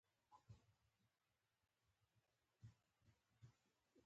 د کورنۍ اړیکې د فرد د رواني حالت لپاره مهمې دي.